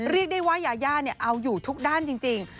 เรียกได้ว่ายาย่าเอาอยู่ทุกด้านจริง